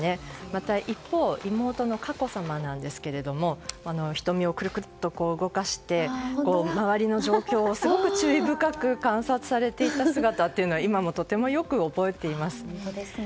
また一方、妹の佳子さまですが瞳をくるくると動かして周りの状況をすごく注意深く観察されていた姿というのは今も、とてもよく覚えています。